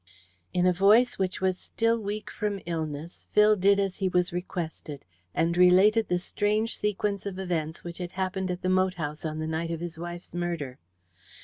In a voice which was still weak from illness, Phil did as he was requested, and related the strange sequence of events which had happened at the moat house on the night of his wife's murder.